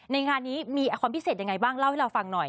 ในงานนี้มีความพิเศษยังไงบ้าง